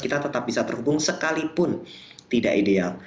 kita tetap bisa terhubung sekalipun tidak ideal